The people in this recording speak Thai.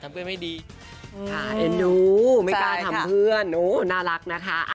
อาเอ็นดูไม่กล้าทำเพื่อนน่ารักนะคะ